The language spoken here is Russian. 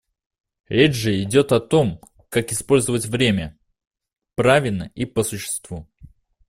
Речь же идет о том, как использовать время — правильно и по существу.